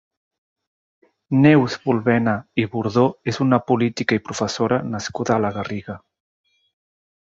Neus Bulbena i Burdó és una política i professora nascuda a la Garriga.